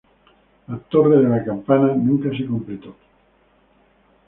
La torre de la campana nunca se completó.